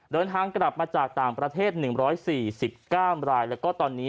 เดินทางกลับมาจากต่างประเทศ๑๔๙รายแล้วก็ตอนนี้